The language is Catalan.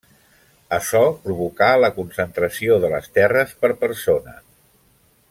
Açò provocà la concentració de les terres per persona.